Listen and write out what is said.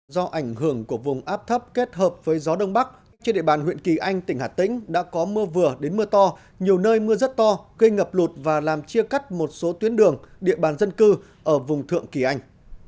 do ảnh hưởng của vùng áp thấp kết hợp với gió đông bắc trên địa bàn huyện kỳ anh tỉnh hà tĩnh đã có mưa vừa đến mưa to nhiều nơi mưa rất to gây ngập lụt và làm chia cắt một số tuyến đường địa bàn dân cư ở vùng thượng kỳ anh